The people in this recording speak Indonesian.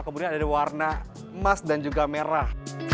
kemudian ada warna emas dan juga merah